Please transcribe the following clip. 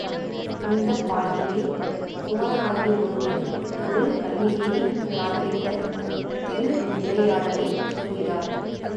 இந்தப் பாட்டிலே குமரனாகிய முருகன் ஒரு கன்னிகையைக் காதலித்த திருவிளையாடலைச் சொல்கிறார்.